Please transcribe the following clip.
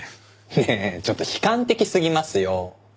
ねえちょっと悲観的すぎますよ。